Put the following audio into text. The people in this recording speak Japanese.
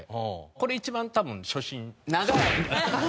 これ一番多分初心。